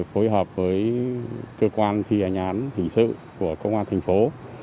phối hợp với cơ quan thi hành án hình sự của công an thành phố